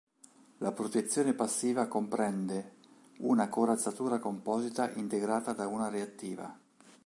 La protezione passiva comprende una corazzatura composita integrata da una reattiva.